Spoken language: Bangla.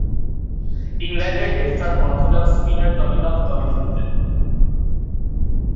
ইংল্যান্ডের left arm orthodox spinner Tony Lock দলে খেলতেন।